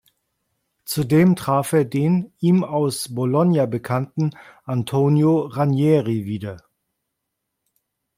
Zudem traf er den ihm aus Bologna bekannten Antonio Ranieri wieder.